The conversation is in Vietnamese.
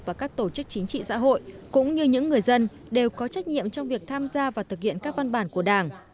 và các tổ chức chính trị xã hội cũng như những người dân đều có trách nhiệm trong việc tham gia và thực hiện các văn bản của đảng